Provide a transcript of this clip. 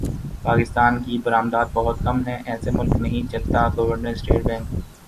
پاکستان کی برمدات بہت کم ہیں ایسے ملک نہیں چلتا گورنر اسٹیٹ بینک